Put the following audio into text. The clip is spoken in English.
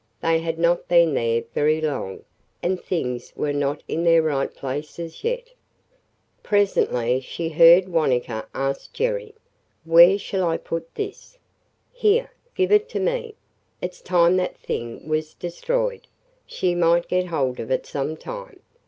They had not been there very long and things were not in their right places yet. Presently she heard Wanetka ask Jerry, "Where shall I put this?" "Here! Give it to me. It 's time that thing was destroyed! She might get hold of it some time.